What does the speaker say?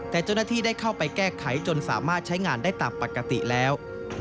แต่เจ้าหน้าที่ได้เข้าไปแก้ไขจนสามารถใช้งานได้ตามปกติแล้ว